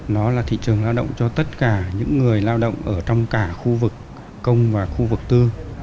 nó là thị trường lao động cho tất cả những người lao động ở trong cả khu vực công và khu vực tư